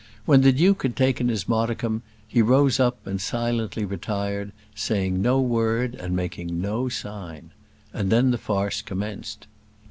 When the duke had taken his modicum, he rose up and silently retired, saying no word and making no sign. And then the farce commenced.